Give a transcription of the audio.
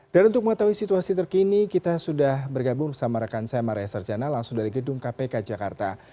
dan untuk mengetahui situasi terkini kita sudah bergabung sama rekan saya maria sarjana langsung dari gedung kpk jakarta